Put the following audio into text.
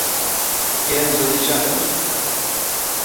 Què ens ha deixat Egipte?